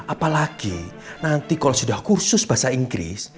apalagi nanti kalau sudah kursus bahasa inggris